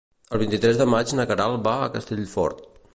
El vint-i-tres de maig na Queralt va a Castellfort.